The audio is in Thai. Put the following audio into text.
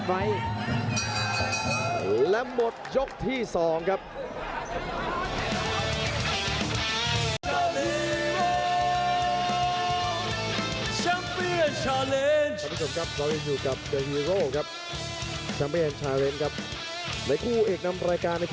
ปล่อยมันถึงสองอู๋เพื่อจะเน้นที่มันแล้วครับไฟท์